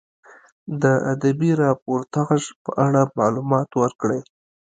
د ادبي راپورتاژ په اړه معلومات ورکړئ.